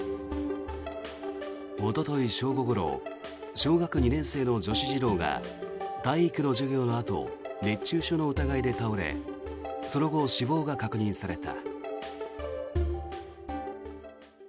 おととい正午ごろ小学２年生の女子児童が体育の授業のあと熱中症の疑いで倒れその後、死亡が確認された。